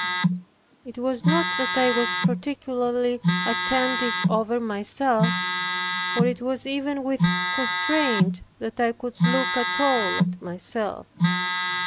It was not that I was particularly attentive over myself, for it was even with constraint that I could look at all at myself.